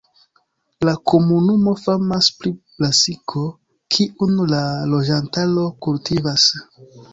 La komunumo famas pri brasiko, kiun la loĝantaro kultivas.